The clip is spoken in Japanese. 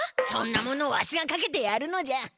そんなものわしがかけてやるのじゃ。